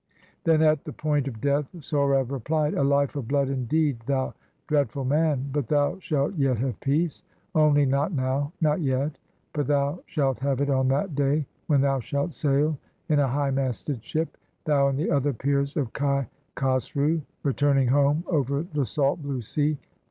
Then, at the point of death, Sohrab replied: — "A life of blood indeed, thou dreadful man! But thou shalt yet have peace; only not now, Not yet : but thou shalt have it on that day. When thou shalt sail in a high masted ship, Thou and the other peers of Kai Khosroo, Returning home over the salt blue sea.